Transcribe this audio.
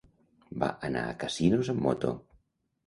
Va anar a Casinos amb moto.